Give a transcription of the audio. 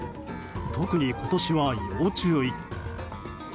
特に、今年は要注意。